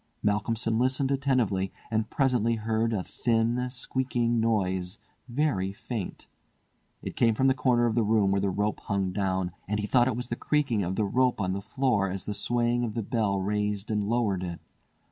Malcolmson listened attentively, and presently heard a thin, squeaking noise, very faint. It came from the corner of the room where the rope hung down, and he thought it was the creaking of the rope on the floor as the swaying of the bell raised and lowered it.